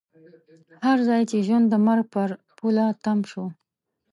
هر ځای چې ژوند د مرګ پر پوله تم شو.